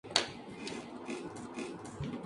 Con su robot alimentado, Bratt aterroriza a Hollywood.